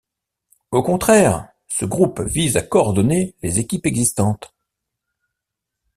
Au contraire, ce groupe vise à coordonner les équipes existantes.